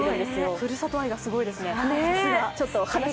ふるさと愛がすごいですね。